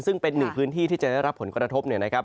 ซึ่งเป็นหนึ่งพื้นที่ที่จะได้รับผลกระทบ